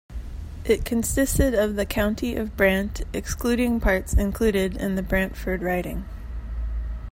It consisted of the County of Brant, excluding parts included in the Brantford riding.